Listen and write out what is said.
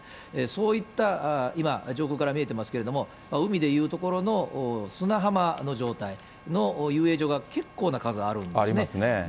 そういった今、上空から見えてますけども、海でいうところの砂浜の状態の遊泳場が結構な数あるんですね。